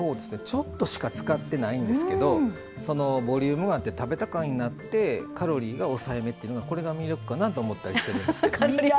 ちょっとしか使ってないんですけどボリュームがあって食べた感があってカロリーが抑えめっていうのがこれが魅力かなと思ったりするんです。